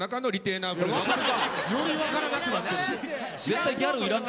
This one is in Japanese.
より分からなくなってるって。